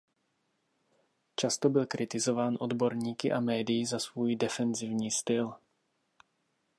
Často byl kritizován odborníky a médii za svůj defenzivní styl.